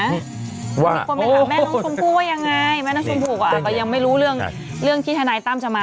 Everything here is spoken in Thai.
มีคนไปถามแม่น้องชมพู่ว่ายังไงแม่น้องชมพู่อ่ะก็ยังไม่รู้เรื่องเรื่องที่ทนายตั้มจะมา